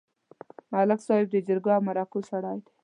ملک صاحب د جرګو او مرکو سړی دی.